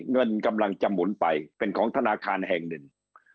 เงินกำลังจะหมุนไปเป็นของธนาคารแห่งหนึ่ง